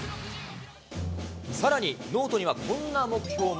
さらにノートにはこんな目標も。